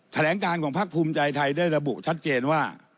แถลงการของพักภูมิใจไทยได้ระบุชัดเจนว่า